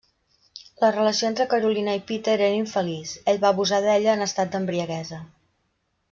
La relació entre Carolina i Peter era infeliç, ell va abusar d'ella en estat d'embriaguesa.